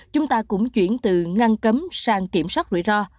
chúng ta cũng chuyển từ ngăn cấm sang kiểm soát rủi ro